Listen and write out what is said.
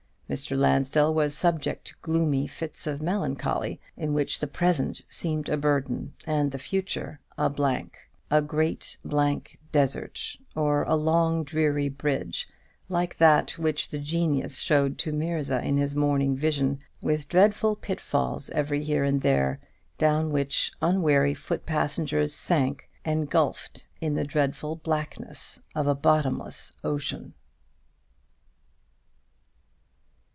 Mr. Lansdell was subject to gloomy fits of melancholy, in which the Present seemed a burden, and the Future a blank, a great blank desert, or a long dreary bridge, like that which the genius showed to Mirza in his morning vision, with dreadful pitfalls every here and there, down which unwary foot passengers sank, engulfed in the dreadful blackness of a bottomless ocean.